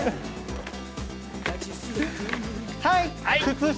はい！